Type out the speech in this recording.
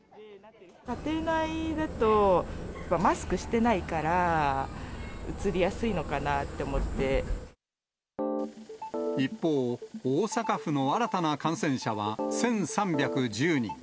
家庭内だと、マスクしてないから、一方、大阪府の新たな感染者は１３１０人。